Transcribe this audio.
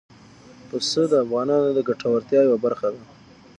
پسه د افغانانو د ګټورتیا یوه برخه ده.